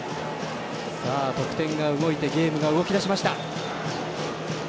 得点が動いてゲームが動きだしました。